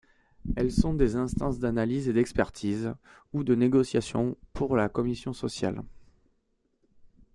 Elles sont des instances d'analyse et d'expertises, ou de négociation pour la commission sociale.